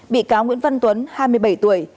bị cáo nguyễn văn tuấn hai mươi bảy tuổi